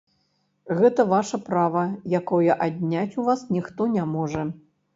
Гэта ваша права, якое адняць у вас ніхто не можа.